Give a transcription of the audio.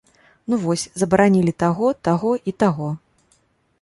Ну, вось, забаранілі таго, таго і таго.